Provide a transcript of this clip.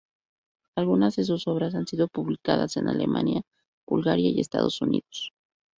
Algunas de sus obras han sido publicadas en Alemania, Bulgaria y Estados Unidos.